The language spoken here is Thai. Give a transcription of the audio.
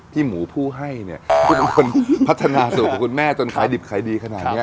หมูผู้ให้เนี่ยเป็นคนพัฒนาสูตรของคุณแม่จนขายดิบขายดีขนาดนี้